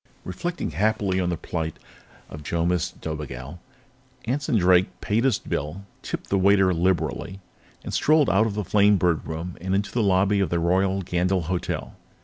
Reflecting happily on the plight of Jomis Dobigel, Anson Drake paid his bill, tipped the waiter liberally, and strolled out of the Flamebird Room and into the lobby of the Royal Gandyll Hotel.